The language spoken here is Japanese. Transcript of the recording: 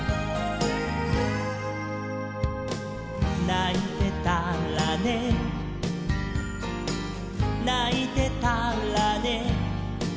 「ないてたらねないてたらね」